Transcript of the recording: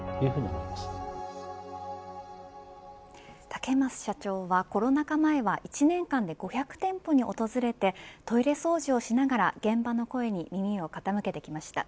竹増社長はコロナ禍前は１年間で５００店舗に訪れてトイレ掃除をしながら現場の声に耳を傾けてきました。